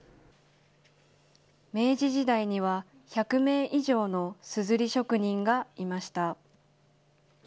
明治時代には１００名以上のすずり職人がいました。